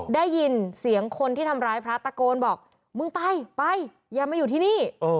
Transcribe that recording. ได้ยินเสียงคนที่ทำร้ายพระตะโกนบอกมึงไปไปอย่ามาอยู่ที่นี่